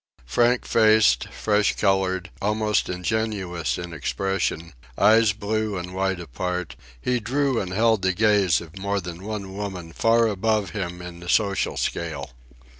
Frank faced, fresh colored, almost ingenuous in expression, eyes blue and wide apart, he drew and held the gaze of more than one woman far above him in the social scale.